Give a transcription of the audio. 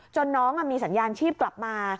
น้องมีสัญญาณชีพกลับมา